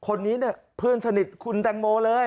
คนนี้เนี่ยเพื่อนสนิทคุณแตงโมเลย